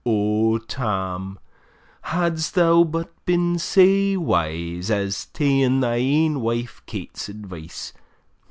O Tam! hadst thou but been sae wise, As ta'en thy ain wife Kate's advice!